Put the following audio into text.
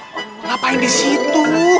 kenapa yang di situ